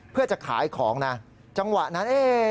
เพื่อจะขายของนะจังหวะนั้น